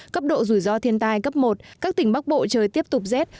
cấp độ rủi ro thiên tai cấp một các tỉnh bắc bộ trời tiếp tục rét